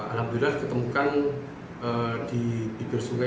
alhamdulillah ketemukan di pinggir sungai